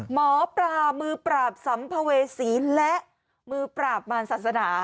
หมอปลามือปราบสัมภเวษีและมือปราบมารศาสนา